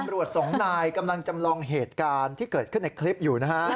สองนายกำลังจำลองเหตุการณ์ที่เกิดขึ้นในคลิปอยู่นะฮะ